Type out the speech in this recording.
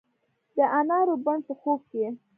د انارو بڼ په خوب کې